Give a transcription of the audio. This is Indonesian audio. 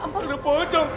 ya ampun ada pocong